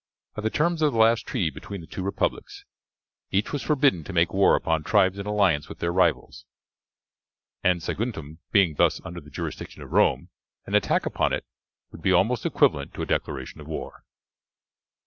By the terms of the last treaty between the two republics each was forbidden to make war upon tribes in alliance with their rivals, and Saguntum being thus under the jurisdiction of Rome, an attack upon it would be almost equivalent to a declaration of war.